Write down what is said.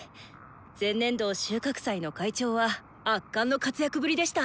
前年度収穫祭の会長は圧巻の活躍ぶりでした！